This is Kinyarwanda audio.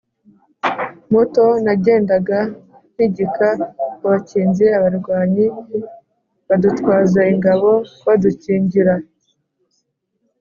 muto, nagendaga mpigika abakinzi, abarwanyi badutwaza ingabo, badukingira